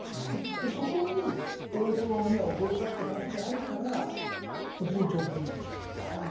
そこに大塔宮を殺したって話があるから突然朝敵になってしまうんですね。